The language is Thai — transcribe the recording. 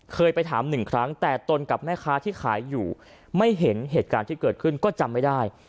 เคยไปถามหนึ่งครั้งแต่ตนกับแม่ค้าที่ขายอยู่ไม่เห็นเหตุการณ์ที่เกิดขึ้นก็จำไม่ได้